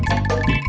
tidak ada masalah